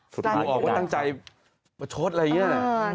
สุดท้ายตั้งใจประชดอะไรอย่างเงี้ย